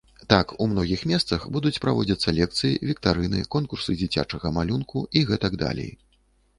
Так, у многіх месцах будуць праводзіцца лекцыі, віктарыны, конкурсы дзіцячага малюнку і гэтак далей.